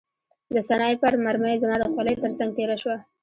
د سنایپر مرمۍ زما د خولۍ ترڅنګ تېره شوه